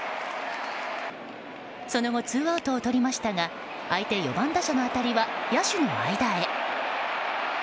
その後ツーアウトをとりましたが相手４番打者の当たりは野手の間へ。